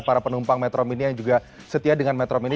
para penumpang metro mini yang juga setia dengan metro mini